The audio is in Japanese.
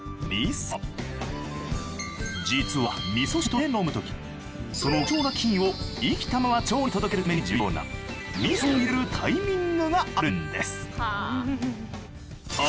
実は味汁として飲むときその貴重な菌を生きたまま腸に届けるために重要な味を入れるタイミングがあるんです